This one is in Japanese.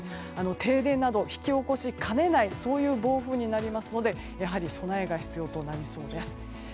停電など引き起こしかねない暴風になりますのでやはり備えが必要となりそうです。